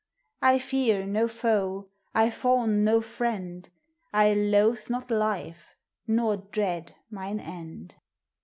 I feare no foe, I fawne no friend ; I lothe not life, nor dread mine end.